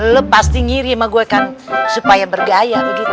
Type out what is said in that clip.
lo pasti ngiri sama gue kan supaya bergaya begitu